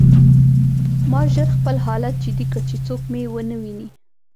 ما ژر خپل حالت جدي کړ چې څوک مې ونه ویني